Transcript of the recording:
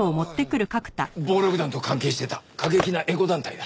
暴力団と関係してた過激なエコ団体だ。